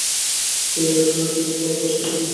তিনি বেটাট্রনের জন্য খুব ভালো কাজ করেছিলেন।